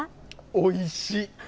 おいしい。